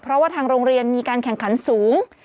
เพราะว่าทางโรงเรียนมีการแข่งขันสูง